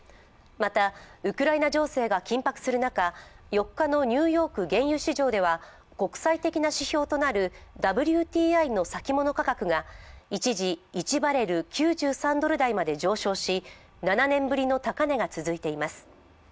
また、ウクライナ情勢が緊迫する中４日のニューヨーク原油市場では国際的な指標となるＷＴＩの先物価格が一時１バレル＝９３ドル台まで上昇し７年ぶりの高値が続いています。